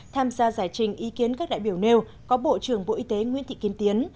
tham gia giải trình ý kiến các đại biểu nêu có bộ trưởng bộ y tế nguyễn thị kim tiến